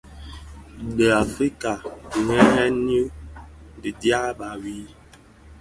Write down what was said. Di Afrika nghëghèn nyi di ndieba wui.